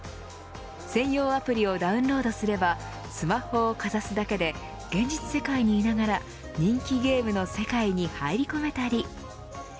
専用アプリをダウンロードすればスマホをかざすだけで現実世界にいながら人気ゲームの世界に入り込めたり。